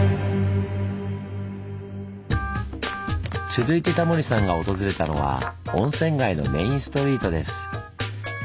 続いてタモリさんが訪れたのは温泉街のメインストリートです。